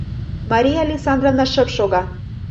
Мария Александровна шып шога.